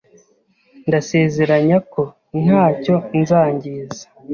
Ndasezeranya ko ntacyo nzangiza.